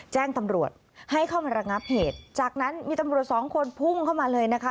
แจ้งตำรวจให้เข้ามาระงับเหตุจากนั้นมีตำรวจสองคนพุ่งเข้ามาเลยนะคะ